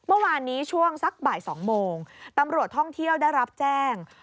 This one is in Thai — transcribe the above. เมื่อวานนี้ช่วงสักบ่าย๒โมงตำรวจท่องเที่ยวได้รับแจ้ง